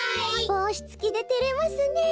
ぼうしつきでてれますねえ。